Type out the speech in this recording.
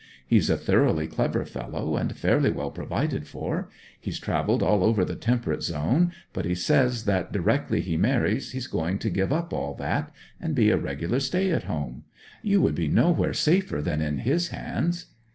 He's a thoroughly clever fellow, and fairly well provided for. He's travelled all over the temperate zone; but he says that directly he marries he's going to give up all that, and be a regular stay at home. You would be nowhere safer than in his hands.'